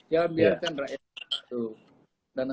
ya biarkan rakyatnya satu